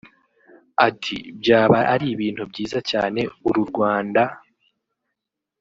Ati “Byaba ari ibintu byiza cyane uru Rwanda